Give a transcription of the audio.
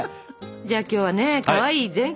じゃあきょうはねかわいい全開。